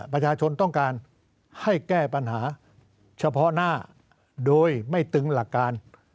ประชาชนต้องการให้แก้ปัญหาเฉพาะหน้าโดยไม่ตึงหลักการ